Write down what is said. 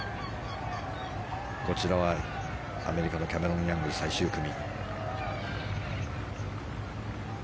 こちらはアメリカのキャメロン・ヤング、最終組。